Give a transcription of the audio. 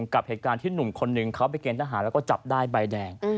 กับเหตุการณ์ที่หนุ่มคนหนึ่งเขาไปเกณฑหารแล้วก็จับได้ใบแดง